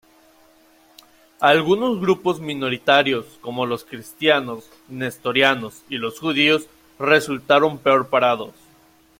Algunos grupos minoritarios, como los cristianos nestorianos y los judíos resultaron peor parados.